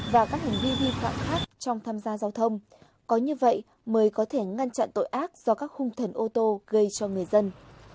và các hành vi vi phạm khác trong tham gia giao thông có như vậy mới có thể ngăn chặn tội ác do các hung thần ô tô gây cho người dân